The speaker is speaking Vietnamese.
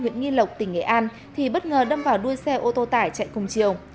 huyện nghi lộc tỉnh nghệ an thì bất ngờ đâm vào đuôi xe ô tô tải chạy cùng chiều